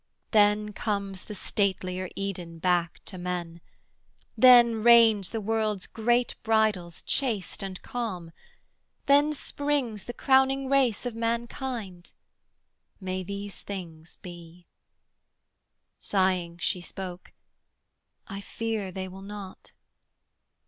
Then comes the statelier Eden back to men: Then reign the world's great bridals, chaste and calm: Then springs the crowning race of humankind. May these things be!' Sighing she spoke 'I fear They will not.'